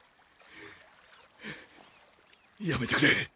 やめてくれ。